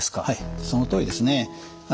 はいそのとおりですね。